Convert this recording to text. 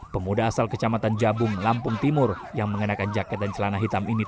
pemuda asal kecamatan jabung lampung timur yang mengenakan jaket dan celana hitam ini